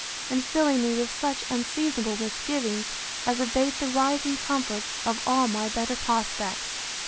and filling me with such unseasonable misgivings, as abate the rising comforts of all my better prospects.